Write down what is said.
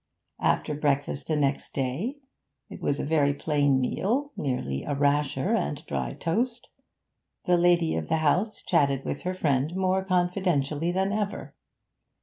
After breakfast the next day it was a very plain meal, merely a rasher and dry toast the lady of the house chatted with her friend more confidentially than ever.